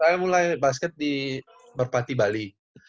saya mulai basket di merpati bali